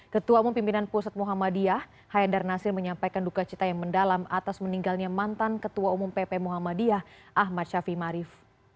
ketua umum pimpinan pusat muhammadiyah haidar nasir menyampaikan duka cita yang mendalam atas meninggalnya mantan ketua umum pp muhammadiyah ahmad syafi marif